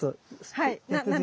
はい。